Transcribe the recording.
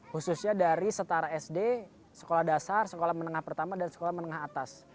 khususnya dari setara sd sekolah dasar sekolah menengah pertama dan sekolah menengah atas